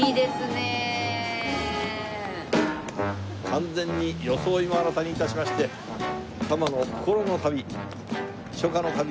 完全に装いも新たに致しまして多摩の心の旅